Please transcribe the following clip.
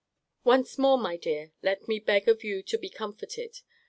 Once more, my dear, let me beg of you to be comforted.